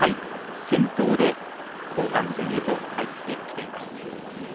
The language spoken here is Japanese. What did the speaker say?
先頭で後半戦へと入ってきています。